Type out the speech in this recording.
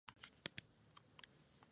Fuerza mayor.